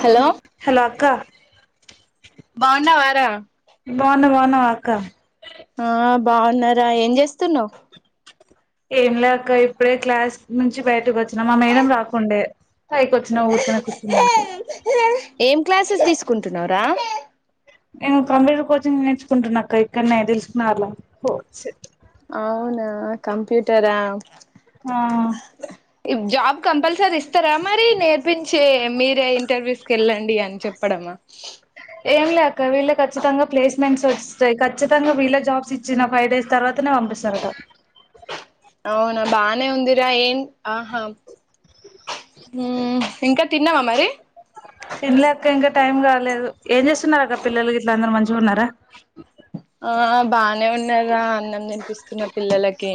hello hello అక్క బావుండావ రా నువ్వు బావుండావ అక్క బావున్నారా ఏం చేస్తున్నావ్ ఏం లే అక్కఇప్పుడే క్లాస్ నుంచి బయటకు వచ్చిన మా మేడం రాకుండే పై కి వచ్చిన ఊరికినే కూర్చుడనికి ఏం క్లాసెస్ తీసుకుంటున్నావుర నేను కంప్యూటర్ కోచింగ్ నేర్చుకుంటున్నాక్క ఇక్కడనే దిల్ షుక్ నగర్ లో అవునా కంప్యూటరా ఆ జాబ్ కంపల్సరీ ఇస్తారా మరి నేర్పించే మీరే ఇంటర్వ్యూస్కి వెళ్ళండి అని చెప్పడమా ఏం లే అక్క వీళ్ళే ఖచ్చితంగా ప్లేస్మెంట్స్ వస్తాయి ఖచ్చితంగా వీళ్ళ జాబ్స్ ఇచ్చిన ఫైవ్ డేస్ తర్వాతనే పం పిస్తారట అవునా బానే ఉందిరా ఏన్ ఆహా ఇంకా తిన్నవా మరి తినలేక అక్కఇంకా టైం కాలేదు ఏం చేస్తున్నారు అక్క పిల్లలు గిట్లా అందరు మంచిగా ఉన్నారా ఆ బానే ఉన్నారా అన్నం తినిపిస్తున్న పిల్లలకి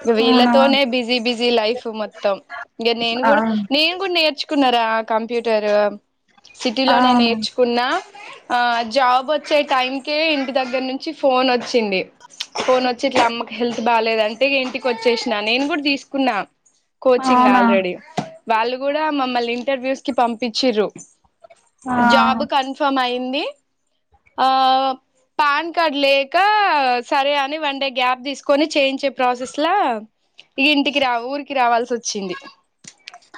ఇక అవునా వీళ్ళతోనే బిజీ బిజీ లైఫ్ మొత్తం ఇంక నేను ఆ కూడా నేను కూడా నేర్చుకున్నా కంప్యూటర్ సిటీ లోనే అవును నేర్చుకున్నా ఆ జాబ్ వచ్చే టైంకే ఇంటి దగ్గర నుంచి ఫోన్ వచ్చింది ఫోన్ వచ్చి ఇట్లా అమ్మకి హెల్త్ బాలేదు అంటే ఇంటికి వచ్చేసినా నేను కూడా తీసుకున్నా కోచింగ్ అవునా ఆల్రెడీ వాళ్ళు కూడా మమ్మల్ని ఇంటర్వ్యూస్ కి పంపిచురు ఆ జాబ్ కన్ఫర్మ్ అయింది ఆ పాన్ కార్డ్ లేక సరే అని వన్ డే గ్యాప్ తీసుకొని చేయించే ప్రాసెస్ లో ఇంటికి రా ఊరికి రావాల్సి వచ్చింది వచ్చింది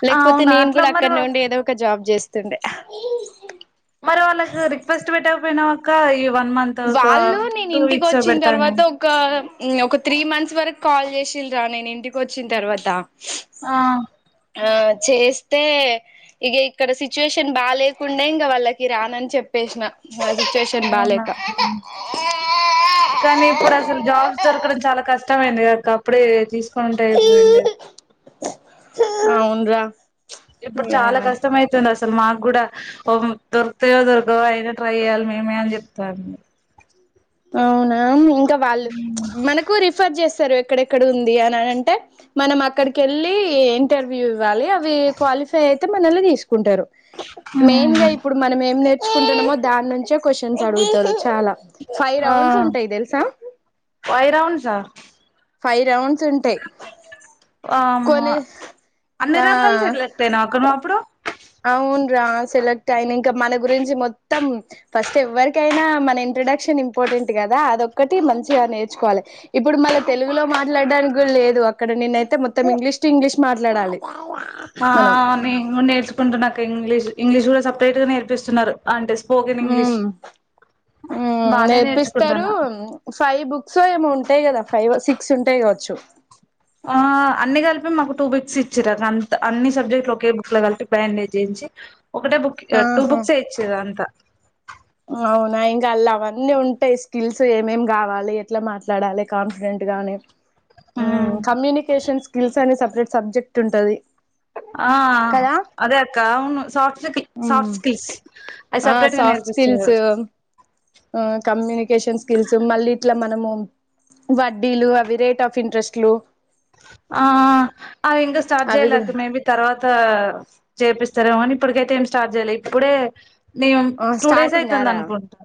లేకపోతే అవునా నేను అట్లా కూడా అక్కడ్నె మరి ఉండి ఏదో ఒక జాబ్ చేస్తుండే మరి వాళ్ళకి రిక్వెస్ట్ పెట్టకపోయినావ్ అక్క ఈ వన్ మంత్ ఒక వాళ్ళు నేను టూ ఇంటికి వీక్స్ వచ్చిన పెడతాని తర్వాత ఒక ఒక త్రీ మంత్స్ వరకు కాల్ చేసిఅన్రా నేను ఇంటికి వచ్చిన తర్వాత ఆ ఆ చేస్తే ఇక ఇక్కడ సిచ్యుయేషన్ బా లేకుండే ఇంకా వాళ్ళకి రానని చెప్ పిల్సి న నా సిచుయేషన్ బాలేద్ ఆ కానీ ఇప్పుడు అసలు జాబ్స్ దొరకడం చాలా కష్టమైందిక అప్పుడే తీసుకునింటాయి ఇండి అవునురా ఇప్పుడు చాలా కష్టం అైతుంది అసలు మాకు కూడా ఓ దొరుకుతాయో దొరకవ అయిన ట్రై చేయ్యాలి మేమే అని చెప్తాం అవునా ఇంకా వాళ్ళు మనకు రిఫర్ చేస్త స ఎక్కడెక్కడ ఉంది అనింటే మనం అక్కడికి వెళ్ళి ఇంటర్వ్యూ ఇవ్వాలి అ అయితే మనల్లో తీసుకుంటారు మెయిన్ గా ఉమ్ ఇప్పుడు మనం ఏం నేర్చుకుంటున్నామో దాని నుంచే క్వశ్చన్స్ అడుగుతారు చాలా ఫైవ్ ఆ రౌండ్స్ ఉంటాయి తెలుసా ఐ రౌండ్సా ఫైవ్ రాౌండ్స్ ఉంటాయి అమ్మా కొన్ని అన్ని ఆ రంగాలు సెలెక్ట్ అయినావా అక్క నువ్వు అప్పుడు అవును రా సెలెక్ట్ అయింది ఇంకా మన గురించి మొత్తం ఫస్ట్ ఎవ్వరికైనా మన ఇంట్రడక్షన్ ఇంపార్టెంట్ కదా అదొక్కటి మంచిగా నేర్చుకోవాలి ఇప్పుడు మల తెలుగులో మాట్లాడడానికి గు డా లేదు అక్కడ నినయితే మొత్తం ఇంగ్లీష్ టు ఇంగ్లీష్ మాట్లాడాలి ఆ మనం నే నేర్చుకుంటున్నాక ఇంగ్లీష్ ఇంగ్లీష్ కూడా సపరేట్ గా నేర్పిస్తున్నారు అంటెస్ ఉమ్ ఉమ్ బానే నేర్పిస్తారు నేర్చుకుంటాను ఫైవ్ బుక్స్ ఏమోంట టాయ్ కదా ఫైవ్ సిక్స్ ఉంటేయి కావచ్చు ఆ అన్ని కలిపి మాకు టూ బిక్స్ ఇచ్చిరు అంత అన్ని సబ్జెక్ట్లు ఒకే బుక్ లో కలిపి బన్డే చేయి ఒకటే బుక్ టూ ఆహా బుక్స్ ఏ ఇచ్చేది అంటా అవునా ఇంకా అళ్ళు అవన్నీ ఉంటాయి స్కిల్స్ ఏమేం కావాలి ఎట్లా మాట్లాడాలి కాన్ఫిడెంట్ గాని ఆ ఉమ్ కమ్యూనికేషన్ స్కిల్స్ అనే సపరేట్ సబ్జెక్ట్ ఉంటది ఆ కదా అదే అక్క అవును సాఫ్ట్ కి ఉమ్ సాఫ్ట్ స్కిల్స్ అది సపరేట్ గా సాఫ్ట్ స్కిల్స్ నేర్పిస్తున్నారు ఆ కమ్యూనికేషన్ స్కిల్స్ మళ్ళీ ఇట్లా మనము వడ్డీలు అవి రేట్ ఆఫ్ ఇంట్రెస్ట్లు ఆ అ ఇంకా స్టార్ట్ అవి కూడా చేయలేక మేబి తర్వాత చేపిస్త స్తరేమో అని ఇప్పటికైతే ఏం స్టార్ట్ చేయలే ఇప్పుడే మేము టూ డేస్ స్టార్టింగ్ అవుతుంది ఆరా అనుకుంటాం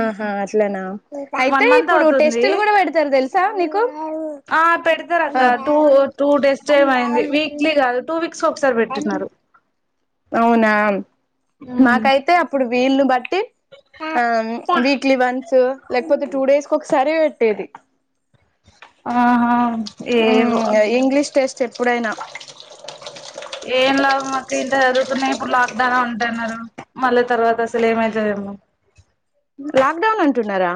ఆహా అట్లనా వన్ అయితే మంత్ ఇప్పుడు అవుతుంది టెస్టులు కూడా పెడతారు తెలుసా నీకు ఆ పెడతారు ఆ అక్క టూ టూ డేస్ ఏమైంది వీక్లీ కాదు టూ వీక్ సో ఒకసారి పెట్టున్నారు అవునా మాకైతే అప్పుడు వీళను బట్టి ఆ వీక్లీ వన్స్ లేకపోతే టూ డేస్ కి ఒకసారి పెట్టేది ఆహా ఉమ్ ఏవో గ ఇంగ్లీష్ టెస్ట్ ఎప్పుడైనా ఏన్ లాబమ్ మక్క ఇంత అరు ఇప్పుడు లాక్ డౌన్ ఉంటున్నారు మళ్ళీ తర్వాత అసలు ఏమైతదొ ఏమో లాక్డౌన్ అంటున్నారా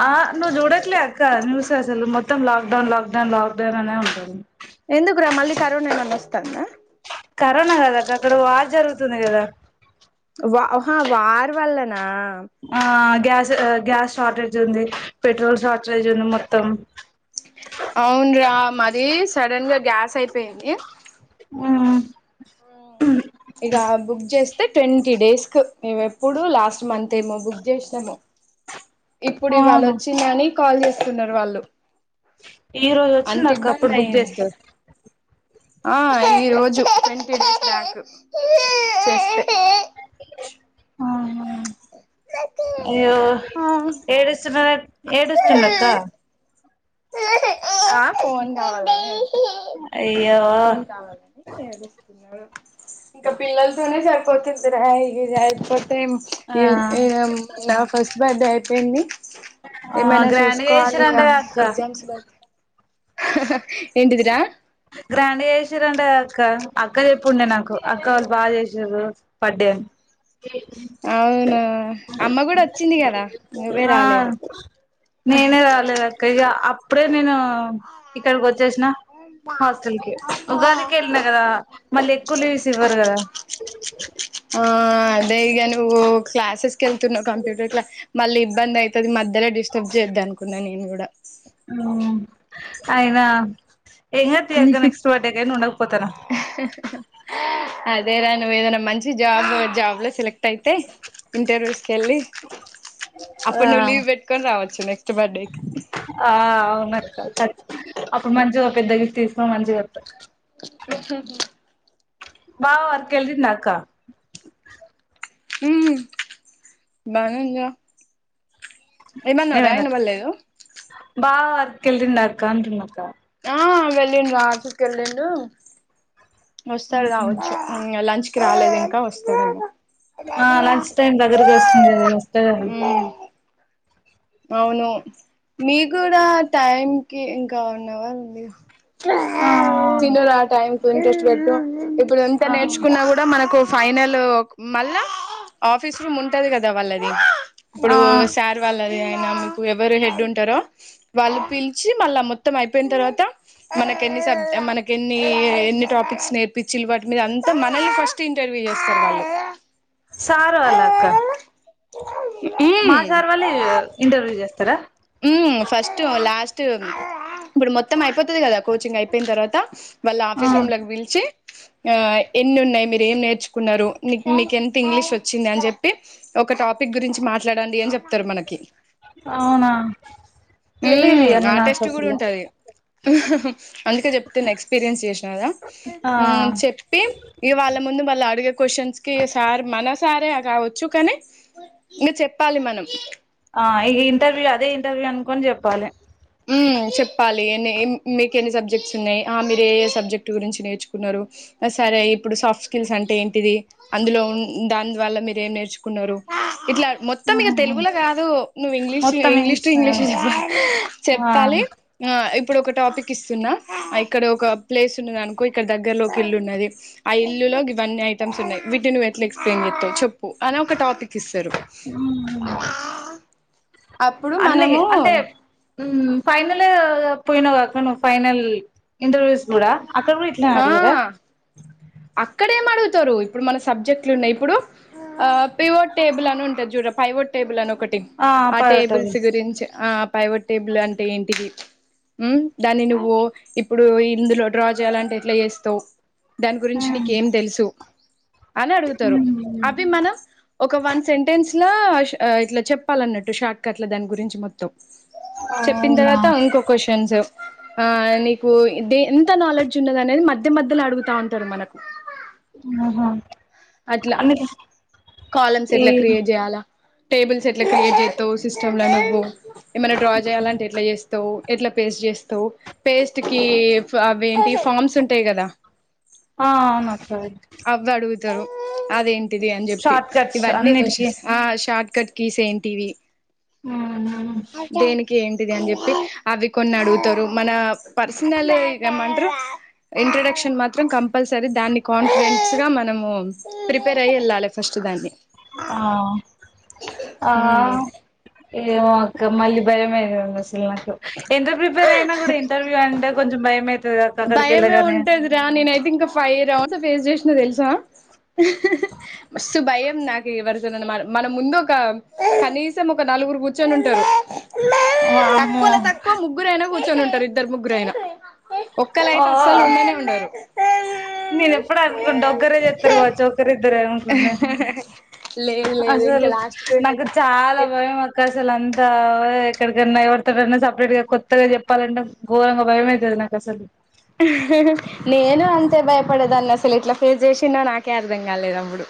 ఆ నువ్ చూడట్లే అక్క ను అసలు మొత్తం లాక్డౌ లాక్డౌన్ లాక్ డౌన్ అనే ఉంటుంది ఎందుకురా మళ్ళీ కరోనా ఏమన్నా వస్తందా కరోనా కదాక్క అక్కడ వారు జరుగుతుంది కదా వా ఆహా వార్ వల్లనా ఆ అన్ గ్యాస్ ఆ గ్యాస్ షార్టేజ్ ఉంది పెట్రోల్ షార్టేజ్ ఉంది మొత్తం అవున్రా మది సడన్ గా గ్యాస్ అయిపోయింది ఉమ్మ్మ్ ఇగ బుక్ చేస్ తే ట్వంటీ డేస్ కు మేము ఎప్పుడు లాస్ట్ మంత్ ఏమో బుక్ చేసినామో ఇప్పుడు ఇవాళ అవును వచ్చింది అని కాల్ చేస్తున్నారు వాళ్ళు ఈ రోజు అంత వచ్చింది అక్క అప్పుడు ఇబ్బంది బుక్ అయ్యింది చేస్తావు ఆ ఈరోజు ట్వంటీ డేస్ బ్యాక్ చేస్తే అయ్యో ఏడుస్తున్న ఏడుస్తుండ్క్క ఆ ఫోన్ కావాలని అయ్యో ఫోన్ కావాలని ఇంకా పిల్లలతోనే సరిపోతుందిరా ఇగాచరిపోతు ఆ [unintelligible] నా ఫస్ట్ బర్డే ఐపోయింది ఆ ఏమైనా గ్రాండ్గా చూసుకోవాలి ఈగ చేసిరంట గా అక్క ఎగ్జామ్స్ కా హహ ఏంటిదిరా గ్రాండ్ గా చేశారంటఅక్క అక్క చెప్పుండే నాకు అక్క వాళ్ళు బాగా చేశిరు బర్త్డే అ అవునా అమ్మ కూడా వచ్చింది కదా నువ్వే ఆ రాలేదు నేనే రాలేదు అక్క ఇక అప్పుడే నేను ఇక్కడికి వచ్చేసిన హాస్టల్ కి ఉగాదికి వెళ్ళిన కదా మళ్ళీ ఎక్కువ లీవ్స్ ఇవ్వరు కదా ఆ అదే ఇక నువ్వు క్లాసెస్కి వెళ్తున్నావు కంప్యూటర్ క్లాస్ మళ్ళీ ఇబ్బంది అవుతుంది మధ్యలో డిస్టర్బ్ చేయద్దు అనుకున్నాా నేను కూడా ఉమ్ అయినా [unintelligible] నెక్స్ట్ బర్త్డే బర్త్డే [unintelligible] ఉండక పోతనా అదే రా నువ్ ఏదన్నా మంచి జాబ్ జాబ్ లో సెలెక్ట్ అయితే ఇంటర్వ్యూస్ కెళ్ళి ఆ అప్పుడు నువ్వు లీవ్ పెట్టుకొని రావచ్చు నెక్స్ట్ బర్త్డే ఆ అవునక్క అప్పుడు మంచిగా పెద్ద గిఫ్ట్ తీసుకోనీ మంచిగా వతా ఇప్పుడే పూజ చేశా బావ వర్క్ వెళ్ళిండు అక్క మ్మ్ బానే ఉందిగా ఏమన్నావురా ఇనబడలేదు [inaudible] బావా వర్క్ వెళ్ళిండా అక్క అంటున్నాక్కా ఆ వెళ్ళిండు రా ఆఫీస్ కి వెళ్ళిండు వస్తాడు రావచ్చు ఇంకా లంచ్ కి రాలేదు ఇంకా వస్తడు ఏమో ఆ లంచ్ టైమ్ దగ్గరకి వస్తుంది కదా వస్తే ఉమ్ అవును మీ కూడా టైం కి ఇంకా వన్ అవర్ ఉంది తిను రా టైం కు ఇంట్రెస్ట్ పెట్టు ఇప్పుడు ఎంత ఆ ఆ నేర్చుకున్నా కూడా మనకు ఫైనల్ మళ్ళా ఆఫీస్ రూమ్ ఉంటది కదా వాళ్ళది అప్పుడు ఆ సార్ వాల్ అదే ఆయన మీకు ఎవరు హెడ్ ఉంటారో వాళ్ళు పిలిచి మళ్ళా మొత్తం అయిపోయిన తర్వాత మనక ఎన్ని సబ్ మనకు ఎన్ని ఎన్ని టాపిక్స్ నేర్పించిలు వాటి మీద అంతా మనల్ని ఫస్ట్ ఇంటర్వ్ వ్యూ చేస్తారు వాళ్ళు సార్ వాళ్ళ అక్క మా సార్ వాళ్ళే ఇంటర్వ్యూ చేస్తారా ఉమ్ ఫస్ట్ లాస్ట్ ఇప్పుడు మొత్తం అయిపోత్ ది కదా కోచింగ్ అయిపోయిన తర్వాత వాళ్ళ ఆ ఆఫీస్ రూమ్ లోకి పిల్చి ఆ ఎన్ని ఉన్నాయి మీరు ఏం నేర్చుకున్నారు మీ మీకెంత ఇంగ్లీష్ వచ్చింది అని చెప్పి ఒక టాపిక్ గురించి మాట్లాడండి అని చెప్తారు మనకి అవునా తెలీదు ఉమ్ ఇవన్నీ ఆ నాకు టెస్ట్ కూడా అసలు ఉంటాది అందుకే చెప్తున్న ఎక్స్పీరియన్స్ చేసిన కదా ఆ ఉమ్ చెప్పి ఇ వాళ్ళ ముందు వాళ్ళు అడిగే క్వశ్చన్స్ కి సార్ మన సారే కావచ్చు కానీ ఇంకా చెప్పాలి మనం ఇక ఇంటర్వ్యూ అదే ఇంటర్వ్యూ అనుకని చెప్పాలి హ్మ్మ్ చెప్పాలి ఎన్ని మీకు ఎన్ని సబ్జెక్ట్స్ ఉన్నాయి ఆ మీరు ఏ ఏ సబ్జెక్ట్ గురించి నేర్చుకున్నారు సరే ఇప్పుడు సాఫ్ట్ స్కిల్స్ అంటే ఏంటిది అందులో దానివ్వల్ల మీరు ఏం నేర్చుకున్నారు ఇట్లా మొత్తం ఇక తెలుగులో కాదు నువ్వు ఇంగ్లీష్ ఇంగ్లీష్ టు ఇంగ్లీష్ చెప్ప ఆ చెప్పాలి ఆ ఇప్పుడు ఒక టాపిక్ ఇస్తున్నా ఇక్కడ ఒక ప్లేస్ ఉన్నది అనుకో ఇక్కడ దగ్గరలోకి ఇల్లు ఉన్నది ఇల్లులో గివన్ని ఐటమ్స్ ఉన్నాయి వీటిని నువ్వు ఎట్లా ఎక్స్ప్లెయిన్ చేస్తావ్ చెప్పు అనే ఒక టాపిక్ ఇస్తారు అప్పుడు అన్నయే మనము అంటే ఉమ్ ఫైనలే పొయినవ్ అక్క నువ్వు ఫైనల్ ఇంటర్వ్యూస్ గూడా అక్కడ కూడ ఇట్లే ఆడిగిరా ఆ అక్కడేం అడుగుతరు ఇప్పుడు మన సబ్జెక్ట్లున్నయ్ ఇప్పుడు ఆ పివుడ్ టేబుల్ అని ఉంటది చూడర పైవడ్ టేబుల్ అని ఒకటి ఆ టేబుల్స్ గురించి ఆ పైవుడ్ టేబుల్ అంటే ఏంటిది ఉమ్ దాన్ని నువ్వు ఇప్పుడు ఇందులో డ్రా చేయాలంటే ఎట్ల చేస్తవ్ గురించి నీకేం తెలుసు అన అడుగుతరు అవి మనం ఒక వన్ సెంటెన్స్ ఇట్లా ష ఆ ఇట్ల చెప్పాలన్నట్టు షార్ట్కట్ల దాని గురించి మొత్తం చెప్పిన్ అవునా తర్వాత ఇంకో క్వశన్ ఆ నీకు ఇది ఎంత నాలెడ్జ్ ఉన్నది అనేది మధ్య మధ్యలో అడుగుతాంటరు మనకు ఆహా అట్లా అందుకే కాలమ్స్ ఎట్ల క్రియేట్ చేయాలా టేబుల్స్ ఎట్ల క్రియేట్ చేస్తవ్ సిస్టమ్ ల నువ్వు ఏమైన డ్రా చేయాలంటె ఎట్ల చేస్తవు ఎట్ల పేస్ట్ చేస్తవ్ పేస్ట్ కి ఫా అవేంటి ఫార్మ్స్ ఉంటయ్ కదా ఆ అవున అక్క అవి అడుగుతారు అదేంటిది అని జెప్పి షార్ట్ కట్స్ ఇవన్నీ కొష్ అన్నిటికీ ఆ షా కట్కీస్ ఏంటివి ఉమ్ దేనికి ఏంటిది అని చెప్పి అవి అడుగుతారు మన పర్సనల్ ఇగమంట్రు ఇంట్రొడక్షన్ మాత్రం కంపల్సరీ దాన్ని కాన్ఫిడెన్స్ గా మనము ప్రిపేర్ అయ వెళ్ళాలి [inaudible] ఫస్ట్ దాన్ ఆ ఆ దాన్ని ఏమో అక్క మళ్ళ భయమైంది అసలు నాకు ఎంత ప్రిపేర్ అయినా కూడా ఇంటర్వ్యూ అంటే కొంచెం భయం అయితది అక్క అక్కడికి భయమే వెళ్ళగానే ఉంటదిరా నేనయితే ఇంకా ఫై రౌండ్స్ ఫేస్ చేసిన తెలుసా మస్తు భయం నాకు ఎవరితోనన్న మన ముందు ఒక కనీసం ఒక నలుగురు కూర్చోని ఉంటరు ఓ వామ్మో కూర్చొని ఉంటరు ఇద్దరు ముగ్గురు అయినా ఒక్కళయితే అస్సలు ఉండనే ఉండరు నేనెప్పుడు అనుకుంట ఒక్కరే చేత్తరు గావచ్చు ఒక్కరిద్దరు ట్లన్నది లేదు లేదు అసల్ ఇంకా లాస్ట్ కు నాకు చాల భయం అక్క అసలన్ ఆ ఎక్కడికన్న ఎవరితోటన్న సపరేట్ గా కొత్తగా చెప్పాలంటే ఘోరంగ భయమైతది నాకసలు హ్ హా హ నేను అంతే భయపడేదాన్ని అసలు ఎట్ల ఫేస్ చేసిన్నో నాకే అర్ధం కాలేదు అప్పుడు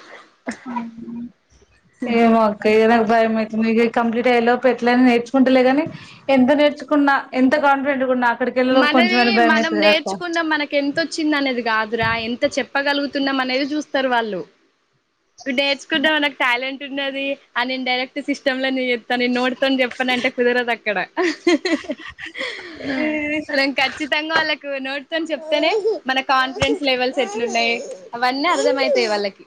ఏమో అక్క ఇగ నాకు బయమైతుందిగ కంప్లీట్ అయ్యే లోపు ఎట్లైన నేర్చుకుంటలే గని ఎంత నేర్చుకున్నా ఎంత కాన్ఫిడెంట్గున్న మనది మనం నేర్చుకున్న మనకి ఎంతొచ్చింది అనేది కాదురా ఎంత చెప్పగలుగు తున్నా మనేదే చూస్తరు వాళ్ళు నేర్చుకుంటే మనకు టాలెంట్ న్నది ఆ నేను డైరెక్ట్ సిస్టమ్ లోనే చేత్త నేను నొటితోన్ చెప్పన్ అంటే కుదరదక్కడ ఏ మనం ఖచ్చితంగా వాళ్ళకు నోట్ తోన్ చెప్తనే మన కాన్ఫిడెన్స్ లెవెల్స్ ఎట్లున్నయి అవన్నీ అర్థమైతయి వాళ్ళకి